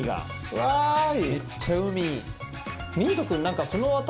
うわ怖い。